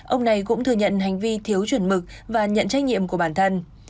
ông này cũng thừa nhận hành vi thiếu chuẩn mực và nhận trách nhiệm của bản thân